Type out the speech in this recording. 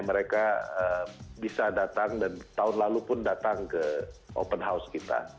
mereka bisa datang dan tahun lalu pun datang ke open house kita